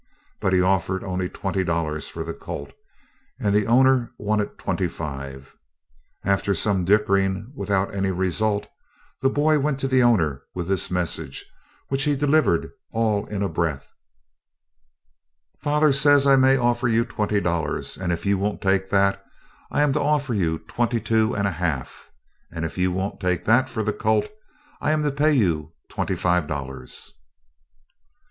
But he offered only twenty dollars for the colt, and the owner wanted twenty five. After some dickering without any result, the boy went to the owner with this message, which he delivered all in a breath: "Father says I may offer you twenty dollars; and if you won't take that, I am to offer you twenty two and a half; and if you won't take that for your colt, I am to pay you twenty five dollars."